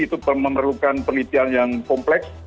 itu memerlukan penelitian yang kompleks